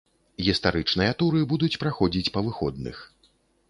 Гістарычныя туры будуць праходзіць па выходных.